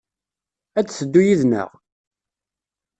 Ad d-teddu yid-neɣ?